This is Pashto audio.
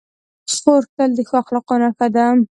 خور تل د ښو اخلاقو نښه ده.